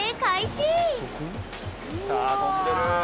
来た飛んでる！